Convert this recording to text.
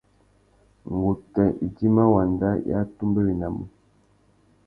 Ngu tà idjima wanda i atumbéwénamú.